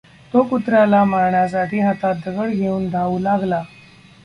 तो कुत्र्याला मारण्यासाठी हातात दगड घेऊन धावू लागला.